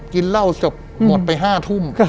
กินเหล้าจบหมดไป๕ทุ่ม